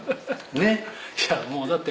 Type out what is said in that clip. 「ねっ？」